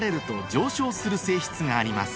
する性質があります